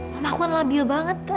mama aku anabil banget kak